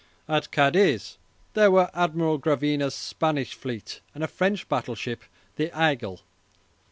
At Cadiz there were Admiral Gravina's Spanish fleet and a French battleship, the "Aigle."